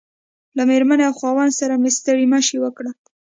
له مېرمنې او خاوند سره مې ستړي مشي وکړل.